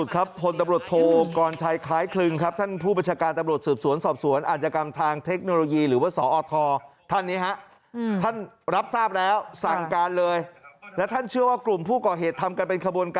กับตำรวจทั้งที่คือสวนองค์ฟังนาสวนองค์ที่รับเลือกนะครับ